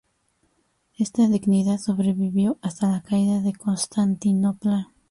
Esta dignidad sobrevivió hasta la caída de Constantinopla.